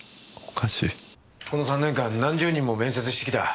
この３年間何十人も面接してきた。